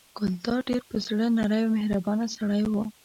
ګلداد ډېر په زړه نری او مهربان سړی و.